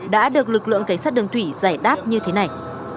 đã được lực lượng cảnh sát đường thủy giải đáp như thế này